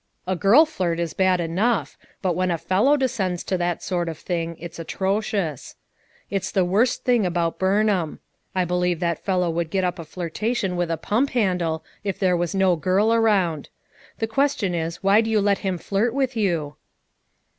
A girl flirt is bad enough, but when a fellow descends to that sort of thing it's atrocious. It's the worst thing about Burnham ; I believe that fel low would get up a flirtation with a pump handle if there was no girl around. The ques tion is why do you let him flirt with you?"